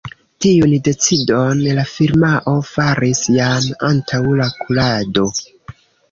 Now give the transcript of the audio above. Tiun decidon la firmao faris jam antaŭ la kurado.